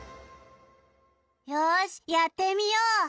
よしやってみよう。